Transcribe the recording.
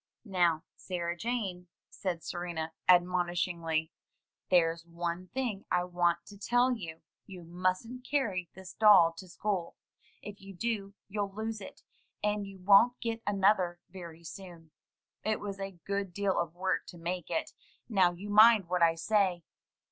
"Now, Sarah Jane," said Serena admonishingly, "there's one thing I want to tell you: you mustn't carry this doll to school. If you do, you'll lose it; and you won't get another very soon. It was a good deal of work to make it. Now you mind what I say."